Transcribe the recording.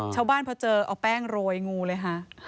ชาวบ้านพอเจอเอาแป้งโรยงูเลยค่ะ